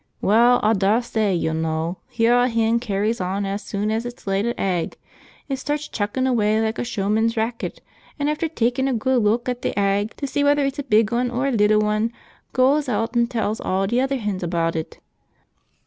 "Well, aw darsay yo' know heaw a hen carries on as soon as it's laid a egg. It starts "chuckin'" away like a showman's racket, an' after tekkin' a good Ink at th' egg to see whether it's a big 'un or a little 'un, gooas eawt an' tells all t'other hens abeawt it.